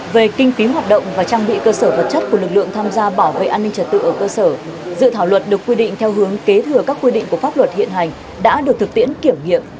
về kinh phí hoạt động và trang bị cơ sở vật chất của lực lượng tham gia bảo vệ an ninh trật tự ở cơ sở dự thảo luật được quy định theo hướng kế thừa các quy định của pháp luật hiện hành đã được thực tiễn kiểm nghiệm